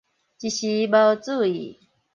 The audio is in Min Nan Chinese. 一時無注意